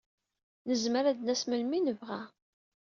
Nezmer ad d-nas melmi ay nebɣa.